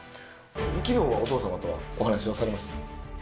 昨日はお父さまとお話をされました？